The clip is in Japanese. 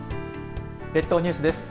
列島ニュースです。